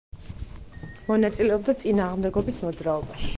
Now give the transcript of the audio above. მონაწილეობდა წინააღმდეგობის მოძრაობაში.